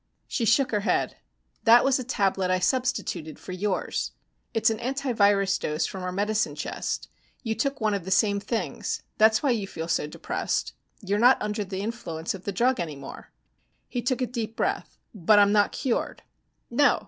She shook her head. "That was a tablet I substituted for yours. It's an anti virus dose from our medicine chest. You took one of the same things. That's why you feel so depressed. You're not under the influence of the drug any more." He took a deep breath. "But I'm not cured?" "No.